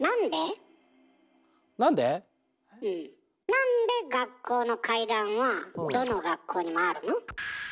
なんで学校の怪談はどの学校にもあるの？